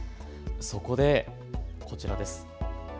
そこでこちらです。